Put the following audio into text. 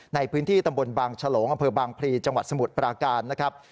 ในพื้นที่ตำบลบางฉลงอำเภอบางพลีจังหวัดสมุทรปราการนะครับ